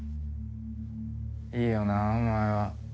いいよなお前は。